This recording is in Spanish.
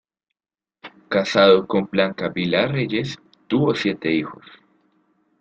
Casado con Blanca Vilá Reyes, tuvo siete hijos.